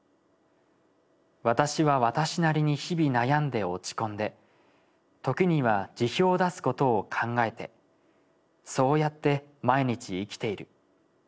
私は私なりに日々悩んで落ち込んで時には辞表を出すことを考えてそうやって毎日生きている。